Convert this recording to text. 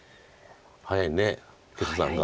早いね決断が。